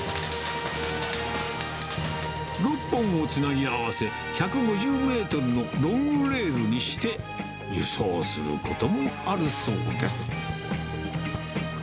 ６本をつなぎ合わせ、１５０メートルのロングレールにして、輸送することもあるそうです。